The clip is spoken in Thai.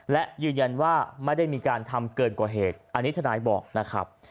และยืนยันว่าไม่ได้มีการทำเกินกว่าเหตุอันนี้ทนายบอกนะครับ